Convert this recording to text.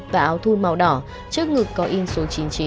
và áo thun màu đỏ trước ngực có in số chín mươi chín